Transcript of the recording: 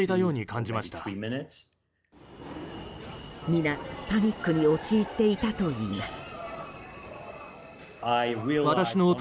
皆、パニックに陥っていたといいます。